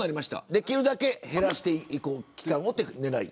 できるだけ減らしていこう期間を、という狙い。